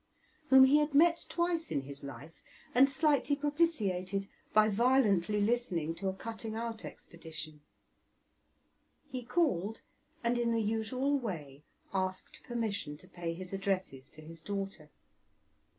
whom he had met twice in his life, and slightly propitiated by violently listening to a cutting out expedition; he called, and in the usual way asked permission to pay his addresses to his daughter.